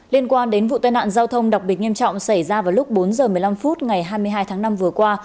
liên quan đến vụ tai nạn giao thông đặc biệt nghiêm trọng xảy ra vào lúc bốn h một mươi năm phút ngày hai mươi hai tháng năm vừa qua